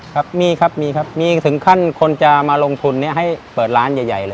ครับมีครับมีครับมีถึงขั้นคนจะมาลงทุนเนี่ยให้เปิดร้านใหญ่เลย